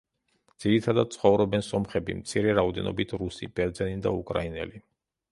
ძირითადად ცხოვრობენ სომხები, მცირე რაოდენობით რუსი, ბერძენი და უკრაინელი.